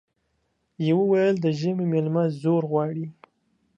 يوه ويل د ژمي ميلمه زور غواړي ،